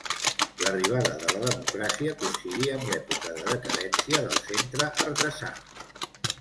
L'arribada de la democràcia coincidí amb l'època de decadència del Centre Artesà.